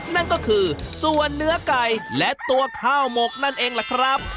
นั่นก็คือส่วนเนื้อไก่และตัวข้าวหมกนั่นเองล่ะครับ